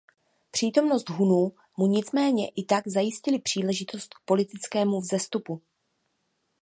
Přítomnost Hunů mu nicméně i tak zajistila příležitost k politickému vzestupu.